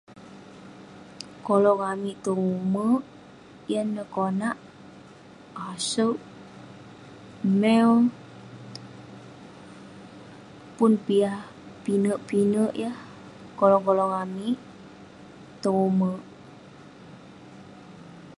Kolong amik tong umerk, yan neh konak..asouk, mew, pun peh yah pinek pinek yah kolonh kolong amik, tong umerk.